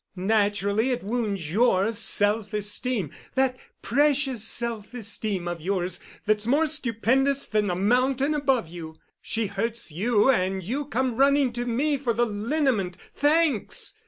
Naturally it wounds your self esteem—that precious self esteem of yours that's more stupendous than the mountain above you. She hurts you, and you come running to me for the liniment. Thanks!